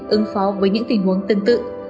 ứng phó với những tình huống tương tự